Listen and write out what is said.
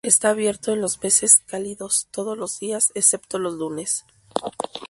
Está abierto en los meses cálidos todos los días excepto los lunes.